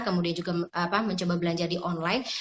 kemudian juga mencoba belanja di online